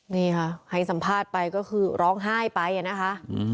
นี่ค่ะให้สัมภาษณ์ไปก็คือร้องไห้ไปนะคะ